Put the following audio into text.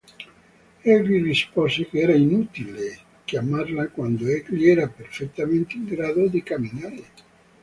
Egli rispose che era inutile chiamarla quando egli era perfettamente in grado di camminare.